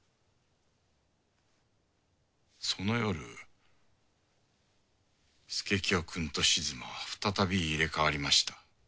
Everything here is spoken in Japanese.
その夜佐清くんと静馬は再び入れ替わりました。